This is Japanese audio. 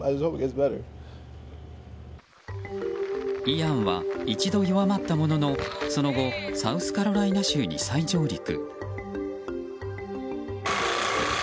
イアンは一度弱まったもののその後、サウスカロライナ州に再上陸。